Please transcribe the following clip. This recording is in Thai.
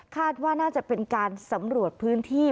ว่าน่าจะเป็นการสำรวจพื้นที่